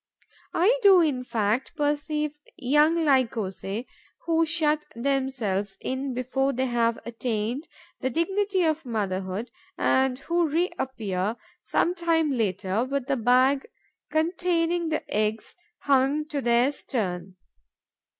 I do, in fact, perceive young Lycosae who shut themselves in before they have attained the dignity of motherhood and who reappear, some time later, with the bag containing the eggs hung to their stern.